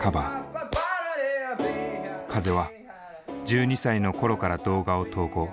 風は１２歳の頃から動画を投稿。